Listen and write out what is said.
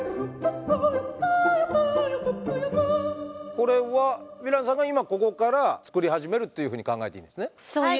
これはヴィランさんが今ここからつくり始めるっていうふうに考えていいですね？